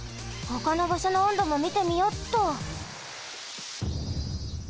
ほかのばしょの温度もみてみよっと。